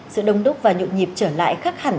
sự đông đúc và nhộn nhịp trở lại khác hẳn